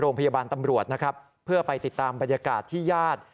อำรวจนะครับเพื่อไปติดตามบรรยากาศที่ญาติ